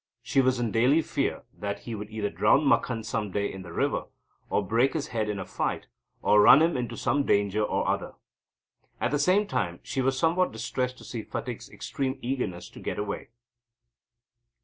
She was in daily fear that he would either drown Makhan some day in the river, or break his head in a fight, or run him into some danger or other. At the same time she was somewhat distressed to see Phatik's extreme eagerness to get away.